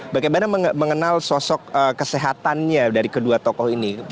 bagaimana mengenal sosok kesehatannya dari kedua tokoh ini